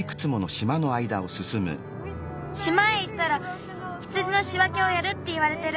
しまへいったら羊のしわけをやるっていわれてる。